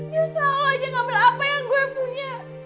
ya salah lo aja ngambil apa yang gue punya